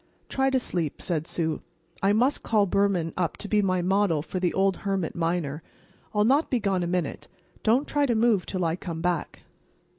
"Try to sleep," said Sue. "I must call Behrman up to be my model for the old hermit miner. I'll not be gone a minute. Don't try to move 'till I come back."